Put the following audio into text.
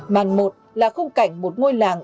màn một là khung cảnh một ngôi làng